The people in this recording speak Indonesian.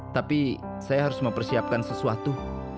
tapi saya harus mempersiapkan sesuatu